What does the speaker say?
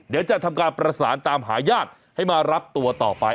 เดี๋ยวจะทำการประสานตามหาญาติให้มารับตัวต่อไป